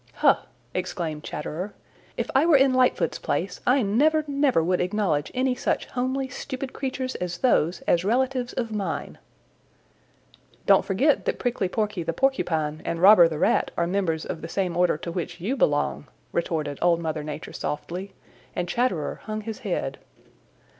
"Huh!" exclaimed Chatterer. "If I were in Lightfoot's place I never, never would acknowledge any such homely, stupid creatures as those as relatives of mine." "Don't forget that Prickly Porky the Porcupine and Robber the Rat are members of the same order to which you belong," retorted Old Mother Nature softly, and Chatterer hung his head.